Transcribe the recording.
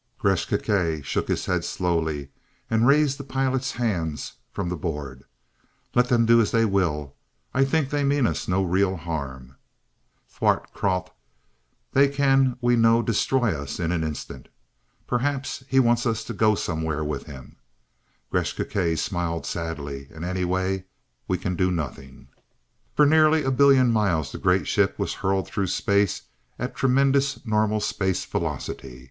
Gresth Gkae shook his head slowly, and raised the pilot's hands from the board. "Let them do as they will. I think they mean us no real harm, Thart Kralt. They can, we know, destroy us in an instant. Perhaps he wants us to go somewhere with him" Gresth Gkae smiled sadly "and anyway, we can do nothing." For nearly a billion miles the great ship was hurled through space at tremendous normal space velocity.